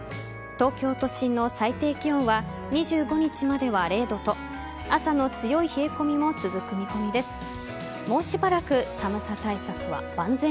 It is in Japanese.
東京都心の最低気温は２５日までは０度と朝の強い冷え込みも続く見込みです。